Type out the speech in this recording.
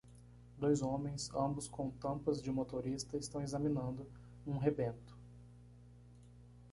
Dois homens ambos com tampas de motorista estão examinando um rebento